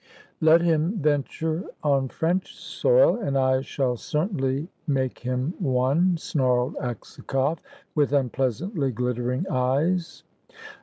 "Let him venture on French soil, and I shall certainly make him one," snarled Aksakoff, with unpleasantly glittering eyes.